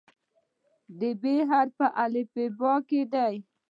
د "ب" حرف په الفبا کې دی.